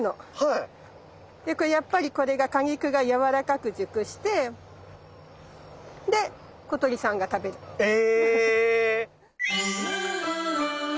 でこれやっぱりこれが果肉がやわらかく熟してで小鳥さんが食べるの。え！